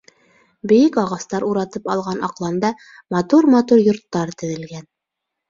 Бейек ағастар уратып алған аҡланда матур-матур йорттар теҙелгән.